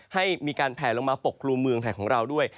ให้มีการแผลลงมาปกครุมเมืองไทยของเราด้วย